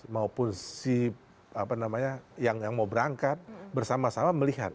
maupun si apa namanya yang mau berangkat bersama sama melihat